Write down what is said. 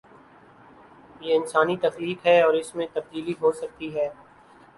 یہ انسانی تخلیق ہے اور اس میں تبدیلی ہو سکتی ہے۔